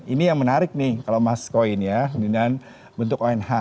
ini yang menarik nih kalau mas koin ya dengan bentuk onh